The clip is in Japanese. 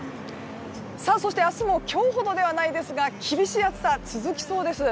そして、明日も今日ほどではないですが厳しい暑さが続きそうです。